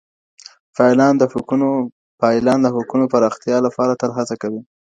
فعالان د حقونو د پراختیا لپاره تل هڅه کوي.